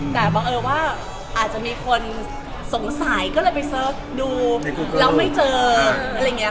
แต่บังเอิญว่าอาจจะมีคนสงสัยก็เลยไปเสิร์ชดูแล้วไม่เจออะไรอย่างนี้